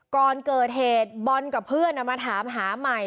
ก่อนเกิดเหตุบอลกับเพื่อนมาถามหาใหม่